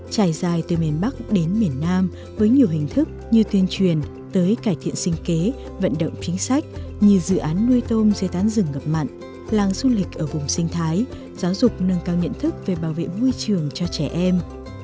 trải dài từ miền bắc đến miền nam với nhiều hình thức như tuyên truyền tới cải thiện sinh kế vận động chính sách như dự án nuôi tôm dây thán rừng ngập mặn làng du lịch ở vùng sinh thái giáo dục nâng cao nhận thức về bảo vệ môi trường cho trẻ em